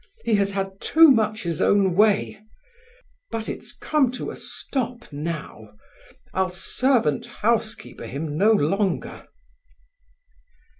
He has had too much his own way. But it's come to a stop now. I'll servant housekeeper him no longer."